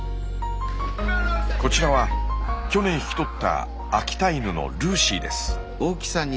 こちらは去年引き取った秋田犬のルーシーです。